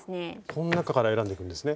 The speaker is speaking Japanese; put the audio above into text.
この中から選んでいくんですね。